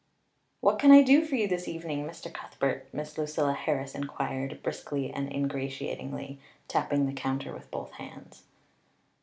"What can I do for you this evening, Mr. Cuthbert?" Miss Lucilla Harris inquired, briskly and ingratiatingly, tapping the counter with both hands.